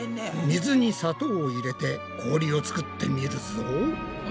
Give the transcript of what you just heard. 水に砂糖を入れて氷を作ってみるぞ。